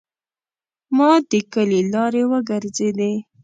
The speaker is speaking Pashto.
ما د کلي لارې وګرځیدې.